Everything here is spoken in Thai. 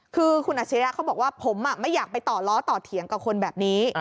คือคุณอัชริยะเขาบอกว่าผมไม่อยากไปต่อล้อต่อเถียงกับคนแบบนี้